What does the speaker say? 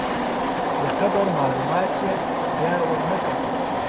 د قبر معلومات یې بیا ورنکړل.